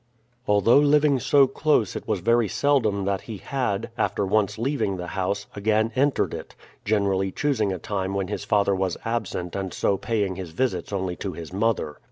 Although living so close it was very seldom that he had, after once leaving the house, again entered it; generally choosing a time when his father was absent and so paying his visits only to his mother.